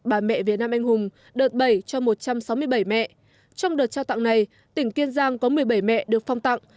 bà mẹ việt nam anh hùng đợt bảy cho một trăm sáu mươi bảy mẹ trong đợt trao tặng này tỉnh kiên giang có một mươi bảy mẹ được phong tặng